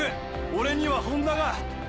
俺には本多が！